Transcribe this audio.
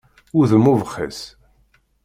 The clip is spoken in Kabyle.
Udem ubxiṣ.